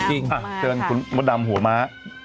อ่ามานะคะนี่เจินคุณบ๊วยดำหัวม้า